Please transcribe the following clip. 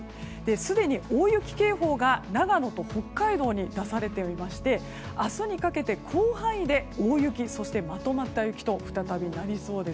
すでに大雪警報が長野と北海道に出されておりまして明日にかけて広範囲で大雪そして、まとまった雪と再び、なりそうです。